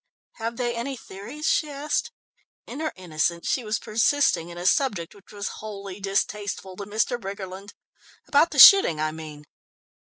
"Have they any theories?" she asked. In her innocence she was persisting in a subject which was wholly distasteful to Mr. Briggerland. "About the shooting I mean?"